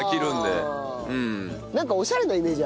なんかオシャレなイメージあるよね。